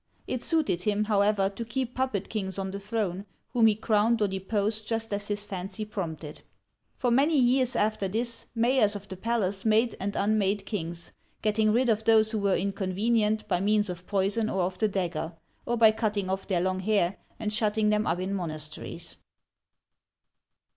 It suited him, however, to keep puppet kings on the throne, whom he crowned or deposed just as his fancy prompted. For many years after this, mayors of the palace made and unmade kings, getting rid of those who were inconven ient by means of poison or of the dagger, or by cutting off their long hair and shutting them up in monasteries.